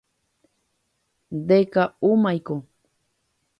Ndeka'úmaiko.